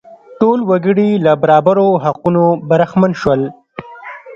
ټول وګړي له برابرو حقونو برخمن شول.